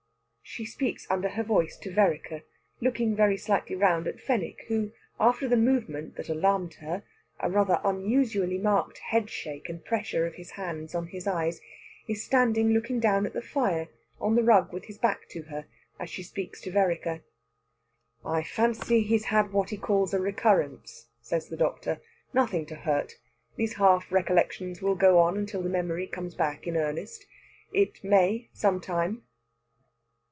She speaks under her voice to Vereker, looking very slightly round at Fenwick, who, after the movement that alarmed her a rather unusually marked head shake and pressure of his hands on his eyes is standing looking down at the fire, on the rug with his back to her, as she speaks to Vereker. "I fancy he's had what he calls a recurrence," says the doctor. "Nothing to hurt. These half recollections will go on until the memory comes back in earnest. It may some time."